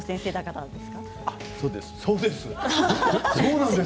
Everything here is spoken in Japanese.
そうです。